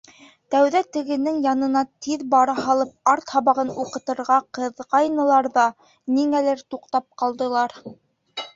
Тәүҙә тегенең янына тиҙ бара һалып арт һабағын уҡытырға ҡыҙғайнылар ҙа, ниңәлер туҡталып ҡалдылар.